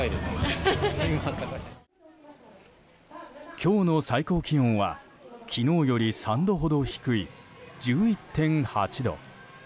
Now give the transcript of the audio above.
今日の最高気温は昨日より３度ほど低い１１．８度。